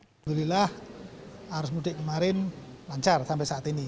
alhamdulillah arus mudik kemarin lancar sampai saat ini